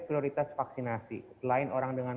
prioritas vaksinasi selain orang dengan